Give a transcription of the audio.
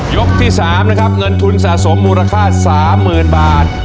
ที่๓นะครับเงินทุนสะสมมูลค่า๓๐๐๐บาท